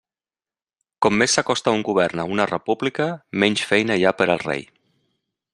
Com més s'acosta un govern a una república, menys feina hi ha per al rei.